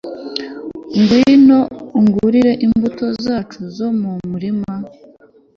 Ngwino ugure imbuto zacu zo mu murima